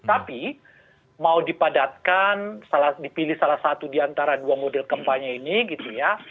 tapi mau dipadatkan dipilih salah satu diantara dua model kampanye ini gitu ya